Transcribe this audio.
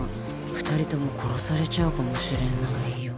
２人とも殺されちゃうかもしれないよね。